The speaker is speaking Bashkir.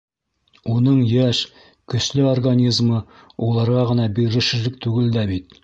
Уның йәш, көслө организмы уларға ғына бирешерлек түгел дә бит...